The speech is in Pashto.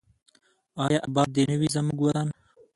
آیا اباد دې نه وي زموږ وطن؟